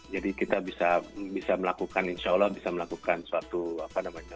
jadi kita bisa melakukan insya allah bisa melakukan suatu apa namanya